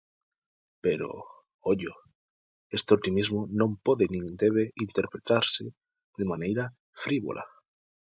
Pero, ollo, este optimismo non pode nin debe interpretarse de maneira frívola.